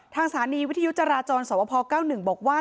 ทางสถานีวิทยุจราจรสวพเก้าหนึ่งบอกว่า